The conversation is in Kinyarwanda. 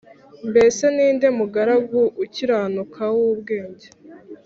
Mbese ni nde mugaragu ukiranuka w ubwenge